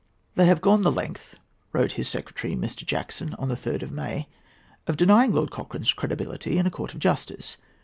"They have gone the length," wrote his secretary, Mr. Jackson, on the 3rd of May, "of denying Lord Cochrane's credibility in a court of justice.